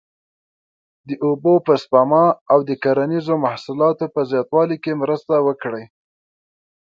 د اوبو په سپما او د کرنیزو محصولاتو په زیاتوالي کې مرسته وکړي.